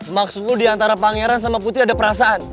maksud lo diantara pangeran sama putri ada perasaan